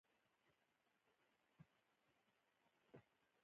بادام د افغانستان په طبیعت کې یو مهم رول لري.